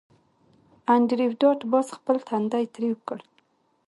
انډریو ډاټ باس خپل تندی ترېو کړ